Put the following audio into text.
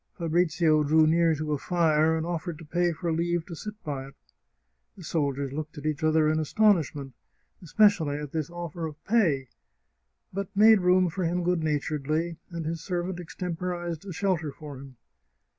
Fabrizio drew near to a fire, and offered to pay for leave to sit by it. The soldiers looked at each other in astonishment, especially at this oflfer of pay, but made room for him good naturedly, and his servant extemporized a shelter for him.